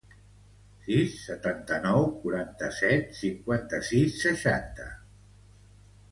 Afegeix a l'agenda el número de l'Àyoub Maceiras: sis, setanta-nou, quaranta-set, cinquanta-sis, seixanta.